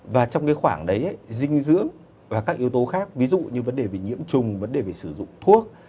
và trong cái khoảng đấy dinh dưỡng và các yếu tố khác ví dụ như vấn đề về nhiễm trùng vấn đề về sử dụng thuốc